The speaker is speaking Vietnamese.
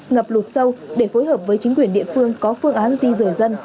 ngập lụt sâu để phối hợp với chính quyền địa phương có phương án di rời dân